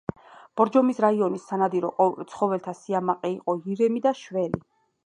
ბორჯომის რაიონის სანადირო ცხოველთა სიამაყე იყო ირემი და შველი.